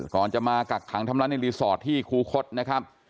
ก่อนจะมากักขังทำร้ายในรีสอร์ทที่คูคศนะครับ